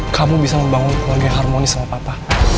kamu bisa membangun keluarga yang harmonis sama papa